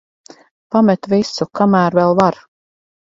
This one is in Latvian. Pamet visu, kamēr vēl var.